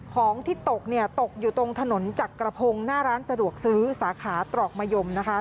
ของที่ตกเนี่ยตกอยู่ตรงถนนจักรพงศ์หน้าร้านสะดวกซื้อสาขาตรอกมะยมนะคะ